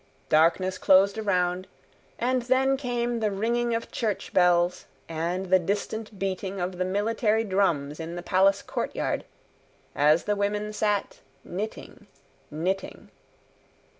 Darkness closed around, and then came the ringing of church bells and the distant beating of the military drums in the Palace Courtyard, as the women sat knitting, knitting.